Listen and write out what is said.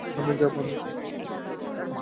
আমি যাবো না।